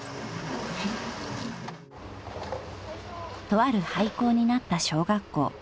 ［とある廃校になった小学校］